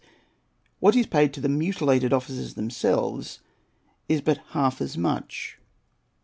What is paid to the mutilated officers themselves is but half as much.